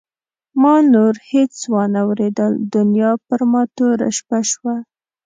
ما نو نور هېڅ وانه ورېدل دنیا پر ما توره شپه شوه.